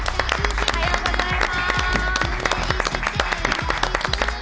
おはようございます。